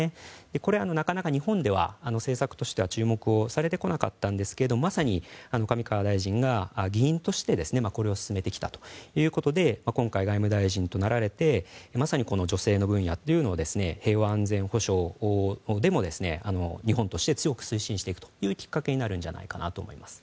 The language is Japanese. これ、なかなか日本では政策としては注目されてこなかったんですがまさに上川大臣が議員としてこれを進めてきたということで今回、外務大臣になられてまさに女性の分野というのを平和安全保障でも日本として強く推進していくきっかけになるんじゃないかなと思います。